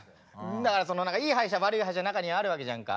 だからいい歯医者悪い歯医者中にはあるわけじゃんか。